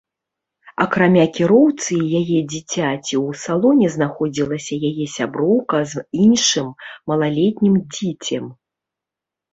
Акрамя кіроўцы і яе дзіцяці ў салоне знаходзілася яе сяброўка з іншым малалетнім дзіцем.